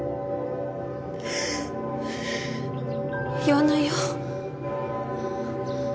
言わないよ。